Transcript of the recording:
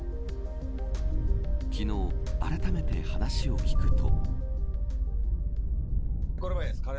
昨日、あらためて話を聞くと。